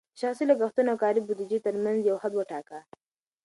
د شخصي لګښتونو او کاري بودیجې ترمنځ دې یو حد وټاکه.